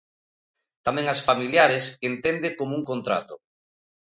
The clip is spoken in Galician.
Tamén as familiares, que entende como un contrato.